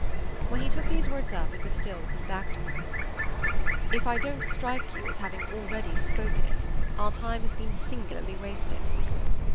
When he took these words up it was still with his back to her. "If I don't strike you as having already spoken it our time has been singularly wasted."